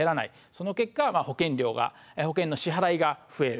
その結果保険料が保険の支払いが増える。